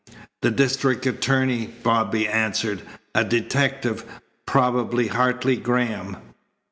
"The district attorney," Bobby answered, "a detective, probably Hartley Graham."